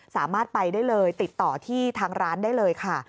สามารถไปได้เลยติดต่อที่ทางร้านได้เลยค่ะ